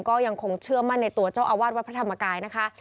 ก็ยังคงเชื่อมั่นในตัวเจ้าอาวาสวัดพระธรรมกายนะคะ